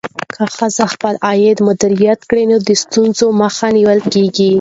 که ښځه خپل عاید مدیریت کړي، نو د ستونزو مخه نیول کېږي.